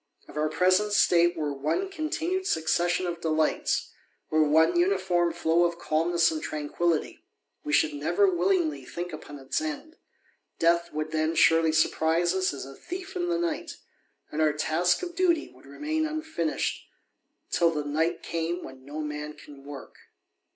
" If our present state were one continued succession of delights, or one uniform flow of calmness and trajiquillity, we should never willingly think upon its end ; death would then surely surprise us as "a thief in the ^ight ;*' and our task of duty would remain unfinished, till tlie night came when no man can work."